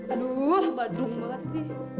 aduh badung banget sih